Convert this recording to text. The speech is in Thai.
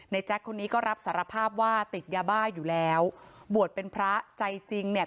แจ๊คคนนี้ก็รับสารภาพว่าติดยาบ้าอยู่แล้วบวชเป็นพระใจจริงเนี่ย